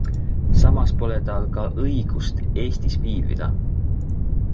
Samas pole tal ka õigust Eestis viibida.